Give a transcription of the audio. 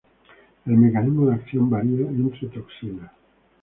El mecanismo de acción varía entre toxinas.